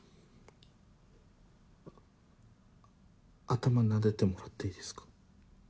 頭なでてもらっていいですか？